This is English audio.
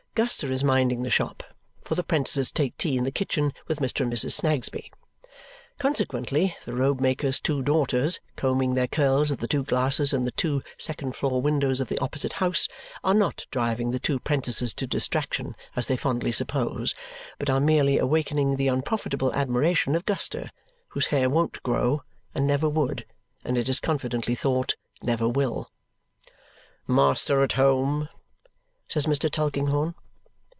Guster is minding the shop, for the 'prentices take tea in the kitchen with Mr. and Mrs. Snagsby; consequently, the robe maker's two daughters, combing their curls at the two glasses in the two second floor windows of the opposite house, are not driving the two 'prentices to distraction as they fondly suppose, but are merely awakening the unprofitable admiration of Guster, whose hair won't grow, and never would, and it is confidently thought, never will. "Master at home?" says Mr. Tulkinghorn.